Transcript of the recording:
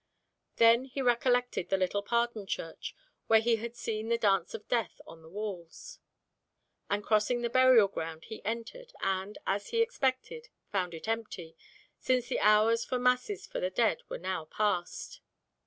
Then he recollected the little Pardon Church, where he had seen the Dance of Death on the walls; and crossing the burial ground he entered, and, as he expected, found it empty, since the hours for masses for the dead were now past.